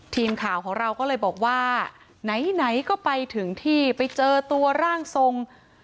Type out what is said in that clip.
ทีมข่าวของเราก็เลยบอกว่าไหนก็ไปถึงที่ไปเจอตัวร่างทรง